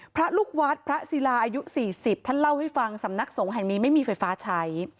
พระลูกวัดพระศิลาอายุ๔๐ท่านเล่าให้ฟังสำนักสงฆ์แห่งนี้ไม่มีไฟฟ้าใช้